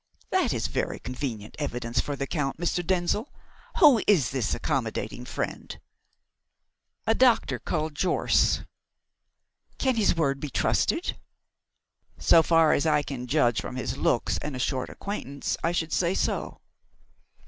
"That is very convenient evidence for the Count, Mr. Denzil. Who is this accommodating friend?" "A doctor called Jorce." "Can his word be trusted?" "So far as I can judge from his looks and a short acquaintance, I should say so."